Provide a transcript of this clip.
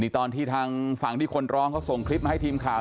ตอนที่ทางฝั่งที่คนร้องเขาส่งคลิปมาให้ทีมข่าว